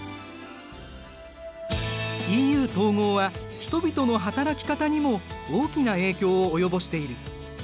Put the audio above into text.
ＥＵ統合は人々の働き方にも大きな影響を及ぼしている。